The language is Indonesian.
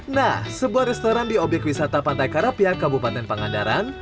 nah sebuah restoran di obyek wisata pantai karapia kabupaten pangandaran